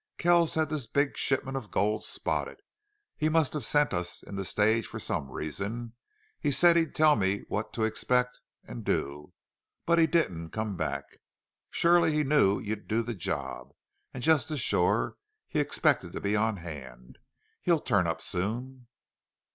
Kells had this big shipment of gold spotted. He must have sent us in the stage for some reason. He said he'd tell me what to expect and do. But he didn't come back. Sure he knew you'd do the job. And just as sure he expected to be on hand. He'll turn up soon."